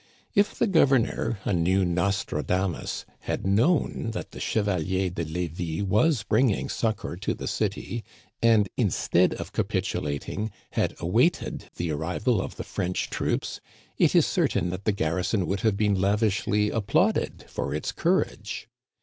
If the governor, a neW Nostradamus, had known that the Chevalier de Levis was bringing succor to the city, and, instead of capitu lating, had awaited the arrival of the French troops, it is certain that the garrison would have been lavishly applauded for its courage.